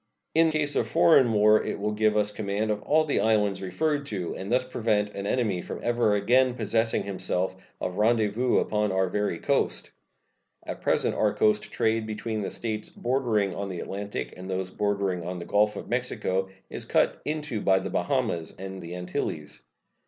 In case of foreign war it will give us command of all the islands referred to, and thus prevent an enemy from ever again possessing himself of rendezvous upon our very coast. At present our coast trade between the States bordering on the Atlantic and those bordering on the Gulf of Mexico is cut into by the Bahamas and the Antilies.